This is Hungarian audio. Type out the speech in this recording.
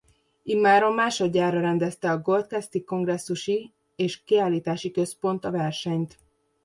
Immáron másodjára rendezte a gold coast-i Kongresszusi és Kiállítási Központ a versenyt.